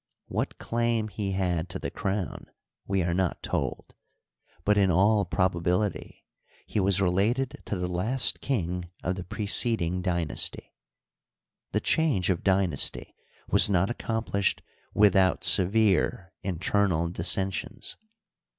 What claim he had to the crown we are not told, but in all probability he was related to the last king of the preceding dynasty. The change of dynasty was not accomplished without severe internal dissensions.